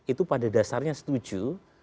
itu pada dasarnya setuju